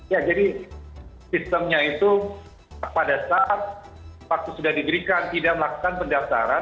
ya jadi sistemnya itu pada saat waktu sudah diberikan tidak melakukan pendaftaran